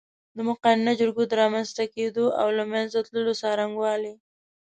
د مقننه جرګو د رامنځ ته کېدو او له منځه تللو څرنګوالی